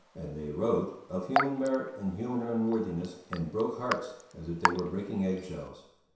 And they wrote of human merit and human unworthiness and broke hearts as if they were breaking egg shells.